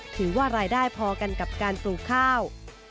ถือว่ารายได้พอกันกับการปลูกข้าว